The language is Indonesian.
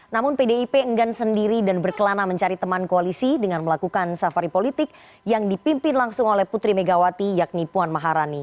namun pdip enggan sendiri dan berkelana mencari teman koalisi dengan melakukan safari politik yang dipimpin langsung oleh putri megawati yakni puan maharani